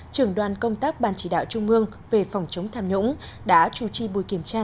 trường đoàn công tác ban chỉ đạo trung mương về phòng chống tham nhũng đã chủ trì buổi kiểm tra